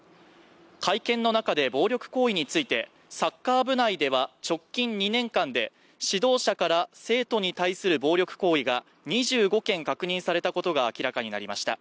会見の中で暴力行為についてサッカー部内では直近２年間で指導者から生徒に対する暴力行為が２５件確認されたことが明らかになりました。